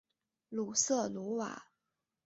鲁瑟卢瓦。